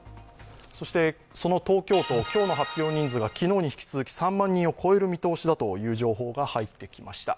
その東京都、今日の発表人数が昨日に引き続き３万人を超える見通しだという情報が入ってきました。